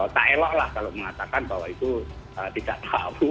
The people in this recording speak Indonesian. tak elok lah kalau mengatakan bahwa itu tidak tahu